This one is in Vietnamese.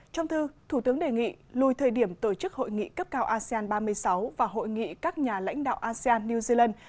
trong thư thủ tướng đề nghị lùi thời điểm tổ chức hội nghị cấp cao asean ba mươi sáu và hội nghị các nhà lãnh đạo asean new zealand